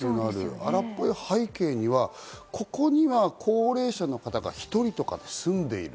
荒っぽい背景には、ここには高齢者の方が１人とかで住んでいる。